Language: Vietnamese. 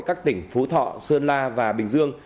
các tỉnh phú thọ sơn la và bình dương